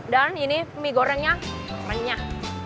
dan ini mie gorengnya renyah